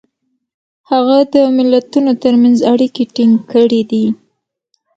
هغه د ملتونو ترمنځ اړیکې ټینګ کړي دي.